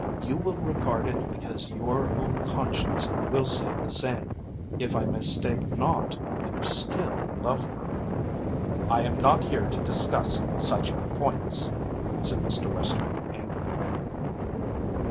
You will regard it because your own conscience will say the same. If I mistake not you still love her." "I am not here to discuss such points," said Mr. Western angrily.